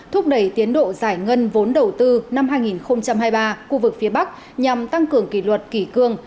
thúc đẩy tiến độ giải ngân vốn đầu tư năm hai nghìn hai mươi ba khu vực phía bắc nhằm tăng cường kỷ luật kỷ cương